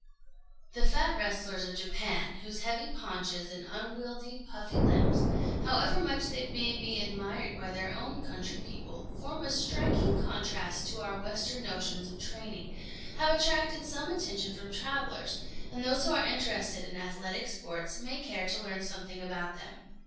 The fat wrestlers of Japan, whose heavy paunches and unwieldy, puffy limbs, however much they may be admired by their own country people, form a striking contrast to our Western notions of training, have attracted some attention from travellers; and those who are interested in athletic sports may care to learn something about them.